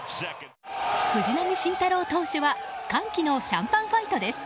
藤浪晋太郎投手は歓喜のシャンパンファイトです。